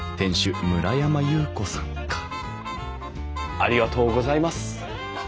ありがとうございます。